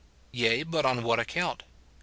Yea, but on what account ?